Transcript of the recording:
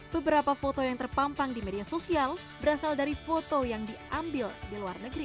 beberapa foto yang terpampang di media sosial berasal dari foto yang diambil di luar negeri